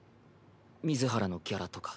水原のギャラとか。